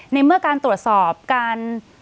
ในเมื่อการตรวจสอบการ